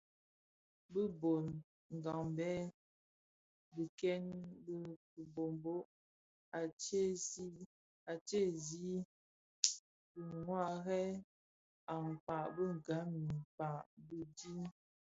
Bi bhon nghabèn dikèè di kiboboo a tsèzii diňarèn akpaň bi gba i kpak dhitin.